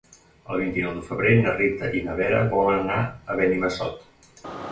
El vint-i-nou de febrer na Rita i na Vera volen anar a Benimassot.